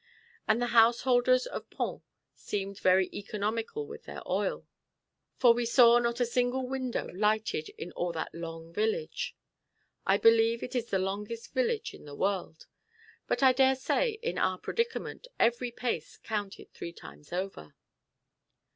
And the householders of Pont seemed very economical with their oil; for we saw not a single window lighted in all that long village. I believe it is the longest village in the world; but I daresay in our predicament every pace counted three times over.